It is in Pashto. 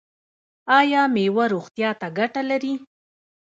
ایا میوه روغتیا ته ګټه لري؟